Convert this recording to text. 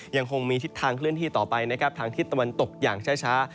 ยังคงมีทิศทางเคลื่อนที่ต่อไปนะครับทางทิศตะวันตกอย่างช้า